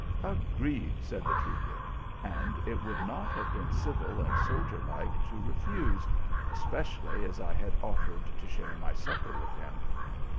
" Agreed, said the trooper ; and it would not have been civil and soldierlike to refuse, especially as I had offered to share my supper with him.